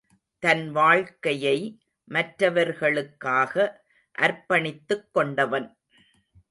தன் வாழ்க்கையை மற்றவர் களுக்காக அர்ப்பணித்துக் கொண்டவன்.